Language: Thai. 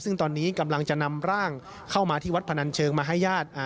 ซึ่งตอนนี้กำลังจะนำร่างเข้ามาที่วัดพนันเชิงมาให้ญาติ